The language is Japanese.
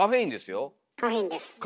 カフェインです。